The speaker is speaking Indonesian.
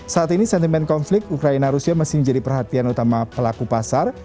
saat ini sentimen konflik ukraina rusia masih menjadi perhatian utama pelaku pasar